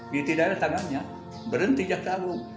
ditidak tangannya berhenti jaksa agung